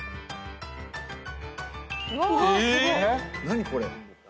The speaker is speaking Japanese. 何これ？